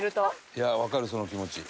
「いやわかるその気持ち」